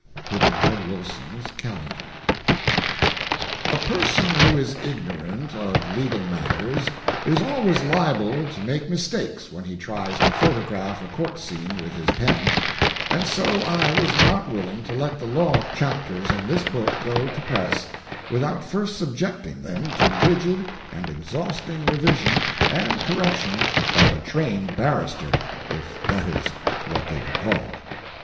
Pudd'nhead Wilson's Calendar. A person who is ignorant of legal matters is always liable to make mistakes when he tries to photograph a court scene with his pen; and so I was not willing to let the law chapters in this book go to press without first subjecting them to rigid and exhausting revision and correction by a trained barrister if that is what they are called.